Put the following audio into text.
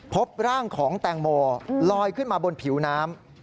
พบร่างของแตงโมลอยขึ้นมาบนผิวน้ำ